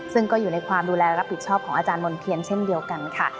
ซึ่งก็อยู่ในความดูแลรับผิดชอบของอาจารย์มณ์เทียนเช่นเดียวกันค่ะ